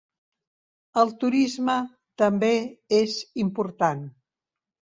El turisme també és important.